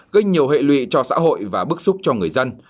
gây nhiều hệ lụy cho xã hội và bức xúc cho người dân